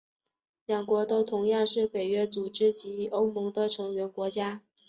两国都同样是北约组织及欧盟的成员国家。